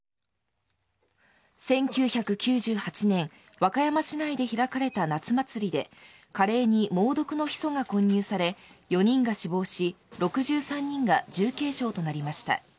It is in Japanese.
１９９８年、和歌山市内で開かれた夏祭りで、カレーに猛毒のヒ素が混入され、４人が死亡し、６３人が重軽傷となりました。